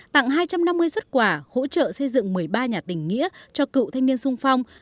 tặng hai trăm năm mươi xuất quà hỗ trợ xây dựng một mươi ba nhà tỉnh nghĩa cho cựu thanh niên sung phong